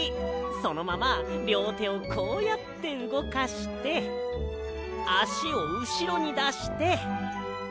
そのままりょうてをこうやってうごかしてあしをうしろにだして。